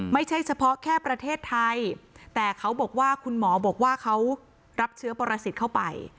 ไม่ใช่เฉพาะแค่ประเทศไทยแต่เขาบอกว่าคุณหมอบอกว่าเขารับเชื้อปรสิทธิ์เข้าไป